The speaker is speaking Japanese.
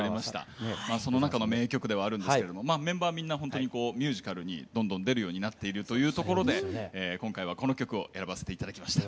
その中の名曲ではあるんですけれどもまあメンバーみんなほんとにこうミュージカルにどんどん出るようになっているというところで今回はこの曲を選ばせて頂きました。